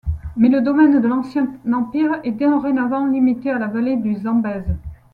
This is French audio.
Mais le domaine de l’ancien empire est dorénavant limité à la vallée du Zambèze.